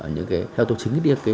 theo tổ chức ý điếc